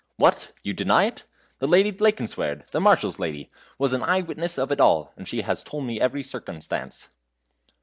"What! you deny it? The Lady Blankenswerd, the Marshal's lady, was an eye witness of it all, and she has told me every circumstance."